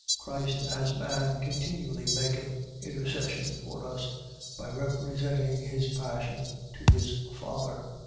. .Christ, as man, continually maketh intercession for us, by representing his passion to his Father.